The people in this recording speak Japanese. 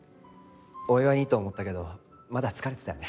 お祝いにと思ったけどまだ疲れてたよね。